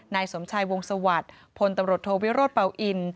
นายสมชายวงสวัสดิ์พลตำรวจโทวิโรธเป่าอิน